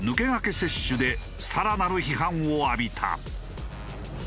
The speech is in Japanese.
接種で更なる批判を浴びた。